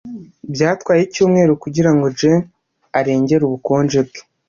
Byatwaye icyumweru kugirango Jane arengere ubukonje bwe